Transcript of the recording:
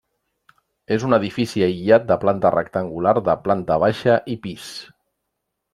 És un edifici aïllat de planta rectangular de planta baixa i pis.